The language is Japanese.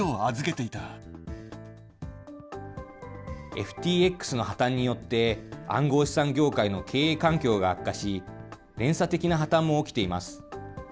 ＦＴＸの破綻によって、暗号資産業界の経営環境が悪化し、連鎖的な破綻も起きています。